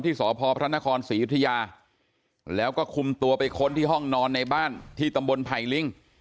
สพพระนครศรียุธยาแล้วก็คุมตัวไปค้นที่ห้องนอนในบ้านที่ตำบลไผ่ลิง